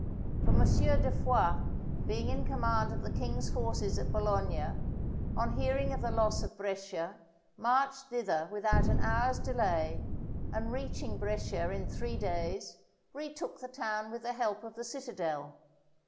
For M. de Foix being in command of the king's forces at Bologna, on hearing of the loss of Brescia, marched thither without an hour's delay, and reaching Brescia in three days, retook the town with the help of the citadel.